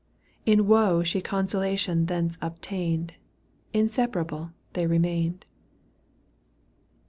In woe She consolation thence obtained — Inseparable they remained.